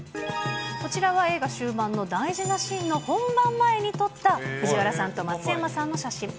こちらは映画終盤の大事なシーンの本番前に撮った、藤原さんと松山さんの写真。